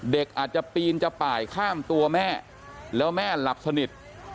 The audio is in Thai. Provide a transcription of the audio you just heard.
เด็กอาจจะปีนจะป่ายข้ามตัวแม่แล้วแม่หลับสนิท